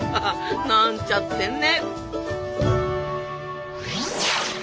なんちゃってね。